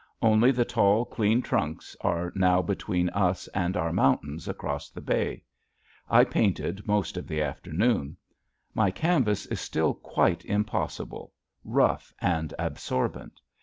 Only the tall, clean trunks are now between us and our mountains across the bay. I painted most of the afternoon. My canvas is still quite impossible rough and absorbent.